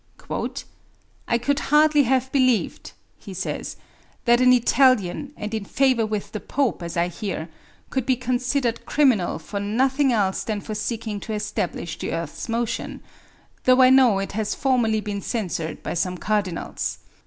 'I could hardly have believed,' he says, 'that an Italian, and in favour with the Pope as I hear, could be considered criminal for nothing else than for seeking to establish the earth's motion; though I know it has formerly been censured by some Cardinals.